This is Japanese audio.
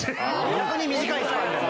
逆に短いスパンでも。